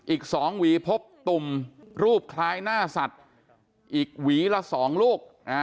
อีก๒หวีพบตุ่มรูปคล้ายหน้าสัตว์อีกหวีละ๒ลูก